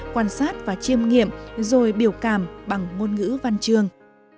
quan sát và chiêm nghiệm rồi biểu cảm bằng ngôn ngữ văn trường